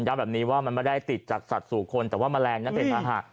แบบนี้ว่ามันไม่ได้ติดจากสัตว์สู่คนแต่ว่าแมลงนั้นเป็นภาหะ